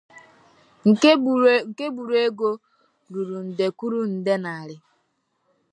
nke gburu ego ruru nde kwùrú nde naịra.